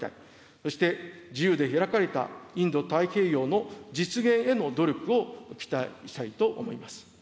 そして自由で開かれたインド太平洋の実現への努力を期待したいと思います。